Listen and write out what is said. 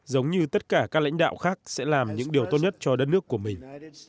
giống như tất cả các lãnh đạo khác sẽ làm những điều tốt nhất cho đất nước của mình